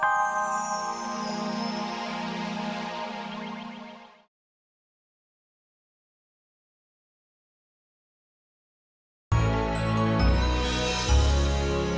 ntar disayang discomfort kamu